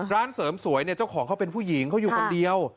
ร้านเสริมสวยเนี่ยเจ้าของเขาเป็นผู้หญิงเขาอยู่คนเดียว